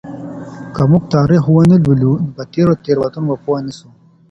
که موږ تاریخ ونه لولو نو په تېرو تېروتنو به پوه نسو.